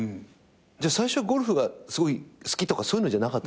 最初ゴルフがすごい好きとかそういうのじゃなかったんすね。